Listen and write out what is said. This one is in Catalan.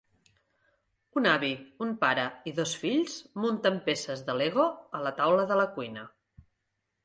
Un avi, un pare i dos fills munten peces de Lego a la taula de la cuina.